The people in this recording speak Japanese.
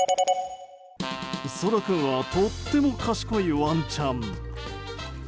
そら君はとっても賢いワンちゃん。